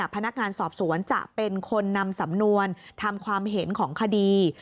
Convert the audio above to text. พนักงานสอบสวนจะเป็นคนนำสำนวนทำความเห็นของคดี